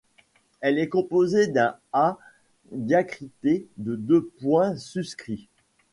Elle est composée d’un ḥā diacrité de deux points suscrits.